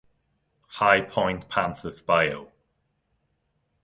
High Point Panthers bio